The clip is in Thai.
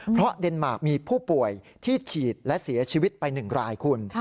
เพราะเดนมาร์คมีผู้ป่วยที่ฉีดและเสียชีวิตไป๑รายคุณ